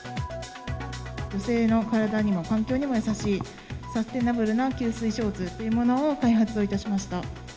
女性の体にも、環境にも優しい、サステナブルな吸水ショーツっていうものを開発いたしました。